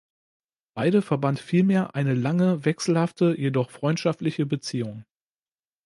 Beide verband vielmehr eine lange, wechselhafte, jedoch freundschaftliche Beziehung.